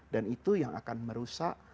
dan itu yang akan merusak